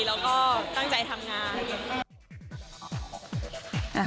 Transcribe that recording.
แล้วก็ตั้งใจทำงาน